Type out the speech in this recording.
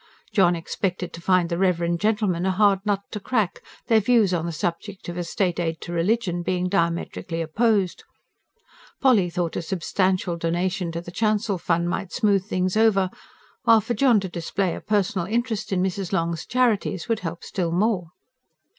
John expected to find the reverend gentleman a hard nut to crack, their views on the subject of a state aid to religion being diametrically opposed. Polly thought a substantial donation to the chancel fund might smooth things over, while for John to display a personal interest in Mrs. Long's charities would help still more.